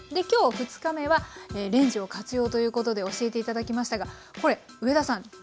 今日２日目はレンジを活用ということで教えて頂きましたがこれ上田さん